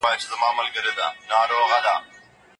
که پاکي وي نو ناروغي نه راځي.